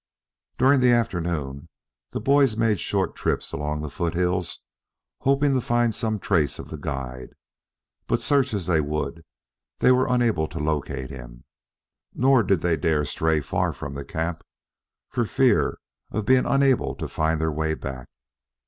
During the afternoon, the boys made short trips along the foothills hoping to find some trace of the guide, but search as they would they were unable to locate him. Nor did they dare stray far from the camp for fear of being unable to find their way back.